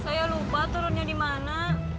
saya lupa turunnya dimana